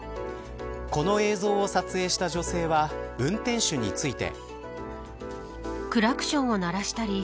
この映像を撮影した女性は運転手について。